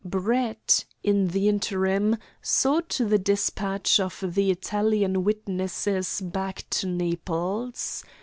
Brett, in the interim, saw to the despatch of the Italian witnesses back to Naples.